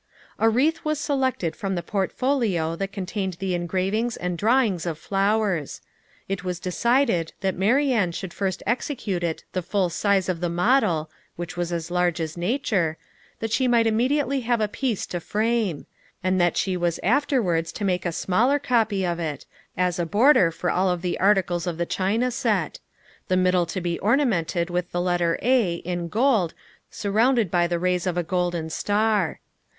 A wreath was selected from the portfolio that contained the engravings and drawings of flowers. It was decided that Marianne should first execute it the full size of the model (which was as large as nature), that she might immediately have a piece to frame; and that she was afterwards to make a smaller copy of it, as a border for all the articles of the china set; the middle to be ornamented with the letter A, in gold, surrounded by the rays of a golden star.